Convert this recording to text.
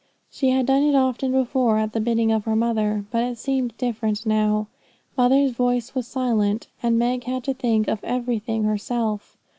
She had done it often before, at the bidding of her mother; but it seemed different now. Mother's voice was silent, and Meg had to think of everything herself.